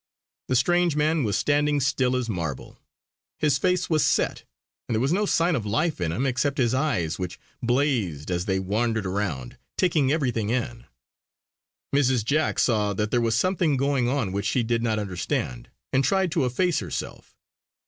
The strange man was standing still as marble; his face was set, and there was no sign of life in him except his eyes which blazed as they wandered around, taking everything in. Mrs. Jack saw that there was something going on which she did not understand, and tried to efface herself.